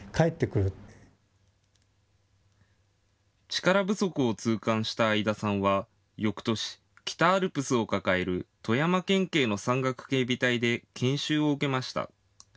力不足を痛感した相田さんはよくとし、北アルプスを抱える富山県警の山岳警備隊で研修を受けました。